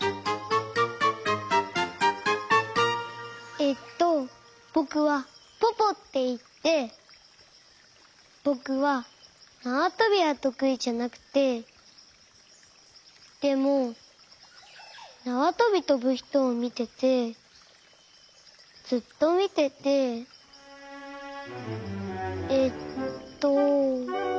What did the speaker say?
えっとぼくはポポっていってぼくはなわとびはとくいじゃなくてでもなわとびとぶひとをみててずっとみててえっと。